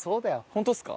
ホントっすか？